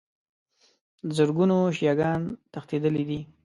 زرګونو شیعه ګان تښتېدلي دي.